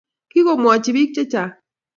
Kikomwochi bik chechang